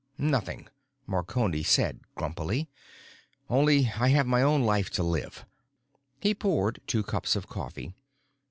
"Nothing," Marconi said grumpily. "Only I have my own life to live." He poured two cups of coffee.